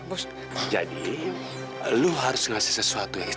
oh jadi itu